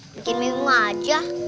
bikin bingung aja